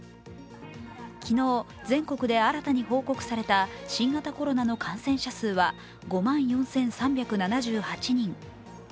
昨日、全国で新たに報告された新型コロナの感染者数は５万４３７８人。